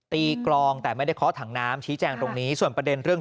กลองแต่ไม่ได้เคาะถังน้ำชี้แจงตรงนี้ส่วนประเด็นเรื่อง